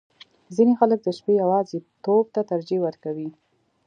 • ځینې خلک د شپې یواځیتوب ته ترجیح ورکوي.